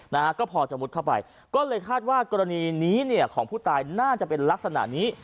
นะฮะก็พอจะมุดเข้าไปก็เลยคาดว่ากรณีนี้เนี่ยของผู้ตายน่าจะเป็นลักษณะนี้